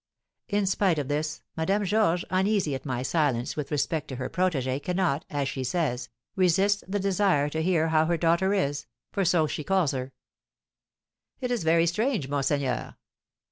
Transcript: In spite of this, Madame Georges, uneasy at my silence with respect to her protégée, cannot, as she says, resist the desire to hear how her dear daughter is, for so she calls her." "It is very strange, monseigneur."